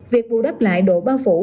việc bù đắp lại độ bao phủ